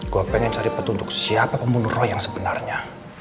gue pengen cari petunjuk siapa pembunuh roh yang sebenarnya